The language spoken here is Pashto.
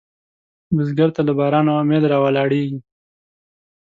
بزګر ته له بارانه امید راولاړېږي